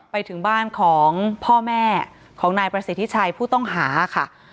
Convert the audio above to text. ไปถึงบ้านของพ่อแม่ของนายประสิทธิชัยผู้ต้องหาค่ะ